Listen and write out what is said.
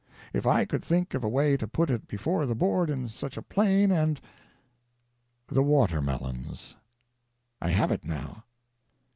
If I could think of a way to put it before the Board in such a plain and — THE WATERMELONS. I have it, now.